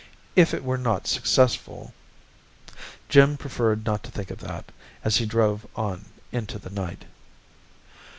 If it were not successful.... Jim preferred not to think of that, as he drove on into the night.